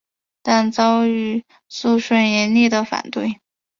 但遭遇肃顺严厉的反对。